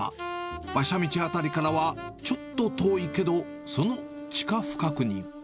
馬車道辺りからはちょっと遠いけど、その地下深くに。